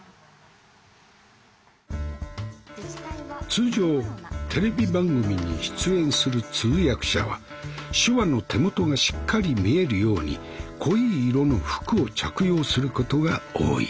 通常テレビ番組に出演する通訳者は手話の手元がしっかり見えるように濃い色の服を着用することが多い。